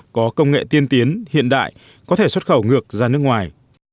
có công nghệ tiên tiến hiện đại có thể xuất khẩu ngược ra nước ngoài